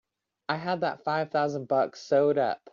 I had that five thousand bucks sewed up!